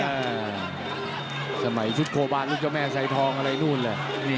ค่ะสมัยชุดโครบาลลูกเจ้าแม่ใส่ทองอะไรนู้นเลย